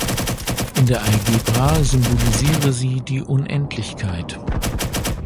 In der Algebra symbolisiere sie die Unendlichkeit.